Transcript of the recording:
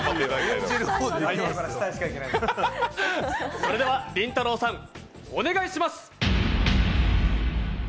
それでは、りんたろーさん、お願いします。